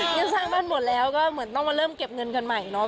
ยังสร้างบ้านหมดแล้วก็เหมือนต้องมาเริ่มเก็บเงินกันใหม่เนาะ